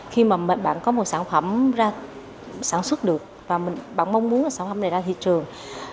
khi mà bạn có một sản phẩm ra sản xuất được và mình bạn mong muốn sản phẩm này ra thị trường